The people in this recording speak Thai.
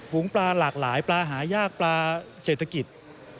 ปลาหลากหลายปลาหายากปลาเศรษฐกิจ